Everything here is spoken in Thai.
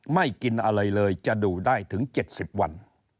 ไม่กินอะไรเลยจะดูได้ถึง๗๐วัน